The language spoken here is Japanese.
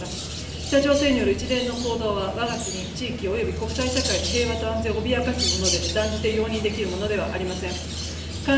北朝鮮による一連の行動はわが国地域および国際社会の平和と安全を脅かすもので断じて容認できるものではありません。